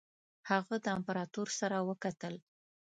هغه د امپراطور سره وکتل.